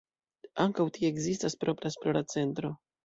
Ankaŭ tie ekzistas propra esplora centro.